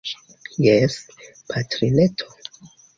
Jes, patrineto.